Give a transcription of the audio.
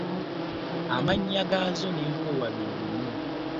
Amannya gaazo n’enfuuwa bye bimu.